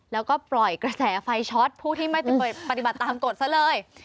แล้วก็ปล่อยกระแสไฟช็อตผู้ที่ไม่ปฏิบัติตามกฎซะเลย